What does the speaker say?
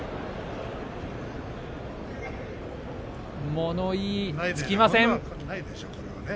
物言いはつきません。